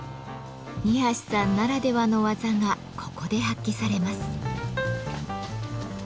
二さんならではの技がここで発揮されます。